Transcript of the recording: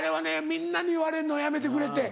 みんなに言われんのやめてくれって。